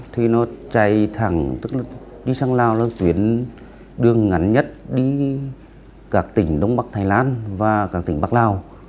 thì nó chạy thẳng tức là đi sang lào là tuyến đường ngắn nhất đi các tỉnh đông bắc thái lan và các tỉnh bắc lào